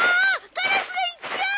カラスが行っちゃう！